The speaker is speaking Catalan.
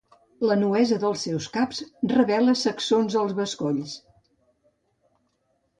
La nuesa dels seus caps revela sacsons als bescolls.